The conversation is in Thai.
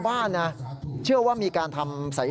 สายลูกไว้อย่าใส่